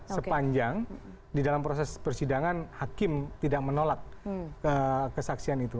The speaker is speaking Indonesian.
sepanjang di dalam proses persidangan hakim tidak menolak kesaksian itu